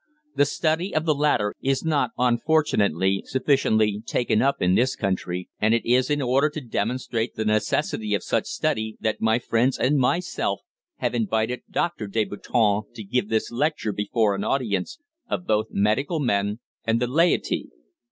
The study of the latter is not, unfortunately, sufficiently taken up in this country, and it is in order to demonstrate the necessity of such study that my friends and myself have invited Doctor Deboutin to give this lecture before an audience of both medical men and the laity.